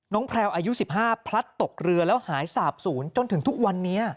แพลวอายุ๑๕พลัดตกเรือแล้วหายสาบศูนย์จนถึงทุกวันนี้